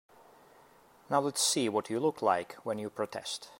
Now let's see what you look like when you protest.